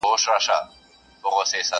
چي صوفي موږک ایله کړ په میدان کي!